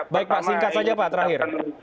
baik pak singkat saja pak terakhir